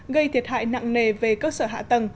gây thiệt hại nặng nề về cơ sở hạ tầng